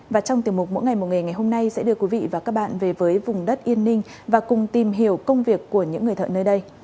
và trong tiềm mục mỗi ngày một nghề ngày hôm nay sẽ đưa quý vị và các bạn về với vùng đất yên ninh và cùng tìm hiểu công việc của những người thợ nơi đây